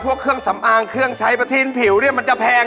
ไอ้พวกเครื่องสำอางเครื่องใช้ประทินผิวหรือเปล่ห์